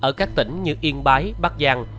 ở các tỉnh như yên bái bắc giang